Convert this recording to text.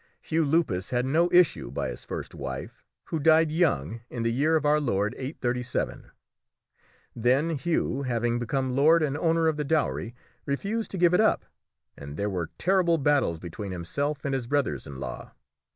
Hugh Lupus had no issue by his first wife, who died young, in the year of our Lord 837. Then Hugh, having become lord and owner of the dowry, refused to give it up, and there were terrible battles between himself and his brothers in law.